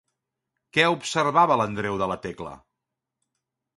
Què observava l'Andreu de la Tecla?